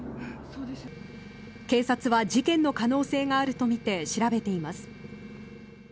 警察は事件の可能性があると見て調べています。